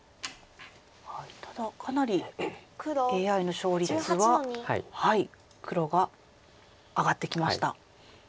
ただかなりＡＩの勝率は黒が上がってきました。